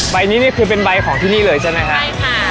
ใบนี้นี่คือเป็นใบของที่นี่เลยใช่ไหมครับใช่ค่ะ